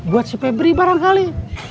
buat si febri barangkali